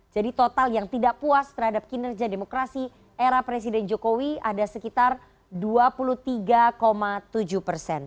jadi total yang tidak puas terhadap kinerja demokrasi era presiden jokowi ada sekitar dua puluh tiga tujuh persen